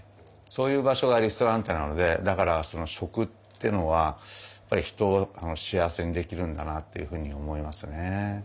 そういう場所がリストランテなのでだからその食っていうのはやっぱり人を幸せにできるんだなっていうふうに思いますね。